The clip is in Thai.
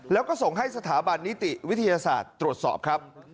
แล้วก็ส่งให้สถาบันนิติวิทยาศาสตร์ตรวจสอบครับ